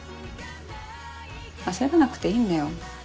焦らなくていいんだよ。